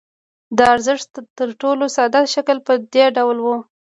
د ارزښت تر ټولو ساده شکل په دې ډول وو